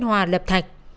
hòa lập thạch